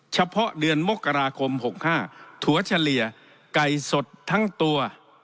เฉพาะเดือนมกราคม๖๕ถั่วเฉลี่ยไก่สดทั้งตัว